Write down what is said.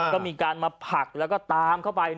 ก็มีการมาผักแล้วก็ตามเข้าไป